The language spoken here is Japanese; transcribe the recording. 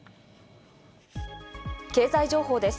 経済情報です。